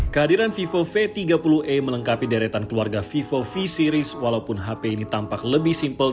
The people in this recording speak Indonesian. kehadiran vivo v tiga puluh e melengkapi deretan keluarga vivo v series walaupun hp ini tampak lebih simple